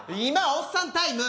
おっさんタイム？